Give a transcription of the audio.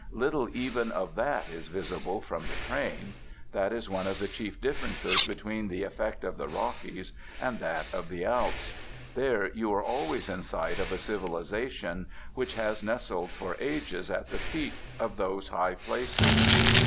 Little even of that is visible from the train. That is one of the chief differences between the effect of the Rockies and that of the Alps. There, you are always in sight of a civilisation which has nestled for ages at the feet of those high places.